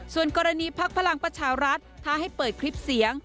ส่วนกรณีพักพลังประชารัฐถ้าให้เปิดคลิปเสียง